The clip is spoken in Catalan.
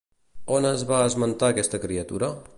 On es va esmentar aquesta criatura?